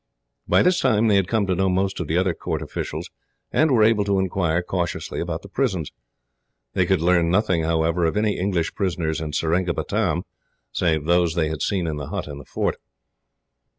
By this time, they had come to know most of the other Court officials, and were able to inquire cautiously about the prisons. They could learn nothing, however, of any English prisoners in Seringapatam, save those they had seen in the hut in the fort.